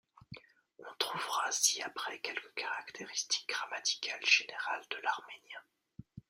On trouvera ci-après quelques caractéristiques grammaticales générales de l'arménien.